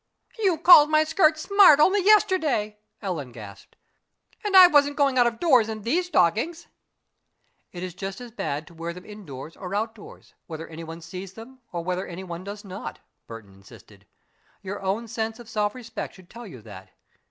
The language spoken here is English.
"You called my skirt smart only yesterday," Ellen gasped, "and I wasn't going out of doors in these stockings." "It is just as bad to wear them indoors or outdoors, whether any one sees them or whether any one does not," Burton insisted. "Your own sense of self respect should tell you that.